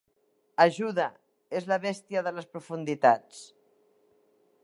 Ajuda! És la bèstia de les profunditats.